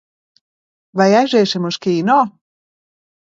Vai aiziesim uz kīno?